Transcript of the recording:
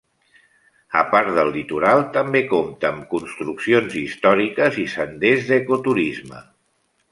A part del litoral, també compta amb construccions històriques i senders d'ecoturisme.